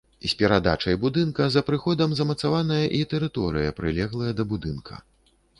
З перадачай будынка за прыходам замацаваная і тэрыторыя, прылеглая да будынка.